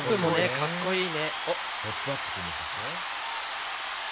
かっこいいね。